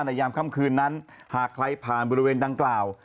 ยามค่ำคืนนั้นหากใครผ่านบริเวณดังกล่าว